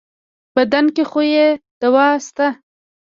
بدن کې خو يې دوا شته.